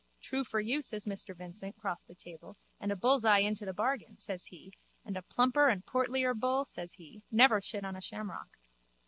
True for you, says Mr Vincent cross the table, and a bullseye into the bargain, says he, and a plumper and a portlier bull, says he, never shit on shamrock.